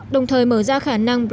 đồng thời mở ra khả năng brexit